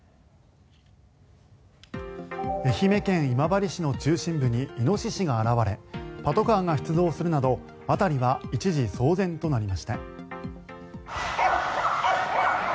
愛媛県今治市の中心部にイノシシが現れパトカーが出動するなど辺りは一時、騒然となりました。